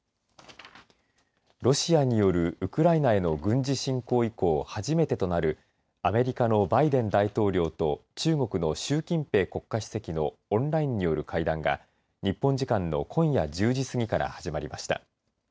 ロシアによるウクライナへの軍事侵攻以降初めてとなるアメリカのバイデン大統領と中国の習近平国家主席のオンラインによる会談が日本時間の今夜１０時すぎから始まりました。